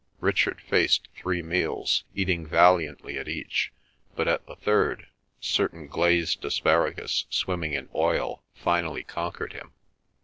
Richard faced three meals, eating valiantly at each; but at the third, certain glazed asparagus swimming in oil finally conquered him.